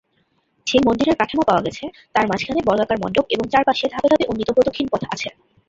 যে মন্দিরের কাঠামো পাওয়া গেছে তার মাঝখানে বর্গাকার মণ্ডপ এবং চারপাশে ধাপে ধাপে উন্নিত প্রদক্ষিণ পথ আছে।